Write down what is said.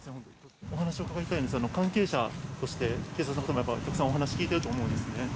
お話を伺いたいんですが、関係者として、警察の人もたくさんお話聞いてると思うんですよね。